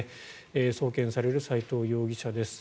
送検される斎藤容疑者です。